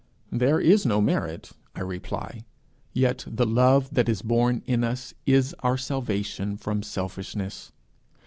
There is no merit, I reply, yet the love that is born in us is our salvation from selfishness.